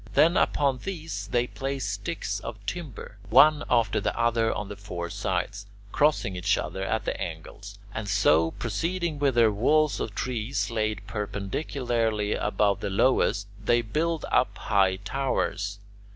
Then upon these they place sticks of timber, one after the other on the four sides, crossing each other at the angles, and so, proceeding with their walls of trees laid perpendicularly above the lowest, they build up high towers.